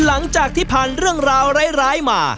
หลังจากที่ผ่านเรื่องราวร้ายมา